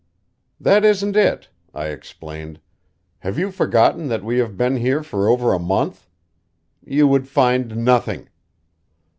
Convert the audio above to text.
"That isn't it," I explained. "Have you forgotten that we have been here for over a month? You would find nothing."